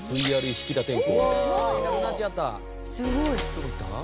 「どこ行った？」